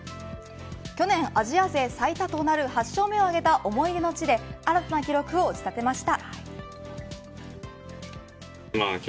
去年アジア勢最多となる８勝目を挙げた思い出の地で新たな記録を打ち立てました。